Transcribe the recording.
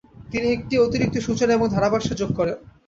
তিনি একটি অতিরিক্ত সূচনা এবং ধারাভাষ্য যোগ করেন।